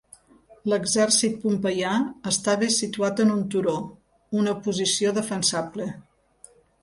L'exèrcit pompeià estava situat en un turó, una posició defensable.